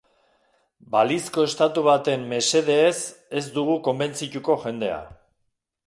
Balizko estatu baten mesedeez ez dugu konbentzituko jendea.